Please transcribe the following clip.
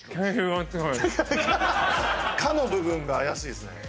「カ」の部分が怪しいですね。